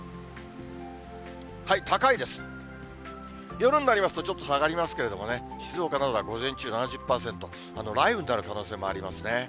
夜になりますと、ちょっと下がりますけどね、静岡などは午前中７０％、雷雨になる可能性もありますね。